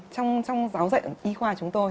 trong giáo dạy y khoa chúng tôi